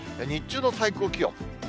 日中の最高気温。